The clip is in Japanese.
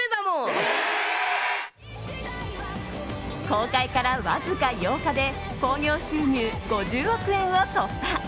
公開からわずか８日で興行収入５０億円を突破！